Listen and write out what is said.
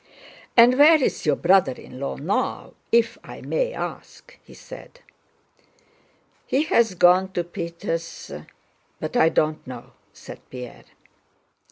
"And where is your brother in law now, if I may ask?" he said. "He has gone to Peters... But I don't know," said Pierre.